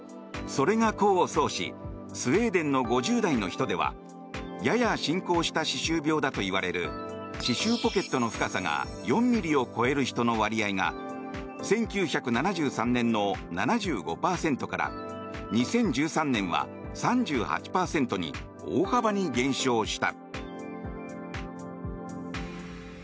それが功を奏しスウェーデンの５０代の人ではやや進行した歯周病だといわれる歯周ポケットの深さが４ｍｍを超える人の割合が１９７３年の７５％から２０１３年は３８％に大幅に減少した。